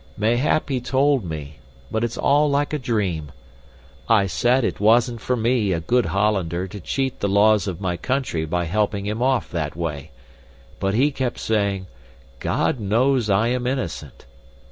Mayhap he told me, but it's all like a dream. I said it wasn't for me, a good Hollander, to cheat the laws of my country by helping him off that way, but he kept saying, 'God knows I am innocent!